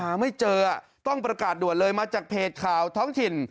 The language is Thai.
หาไม่เจอต้องประกาศด่วนเลยมาจากเพจข่าวท้องถิ่น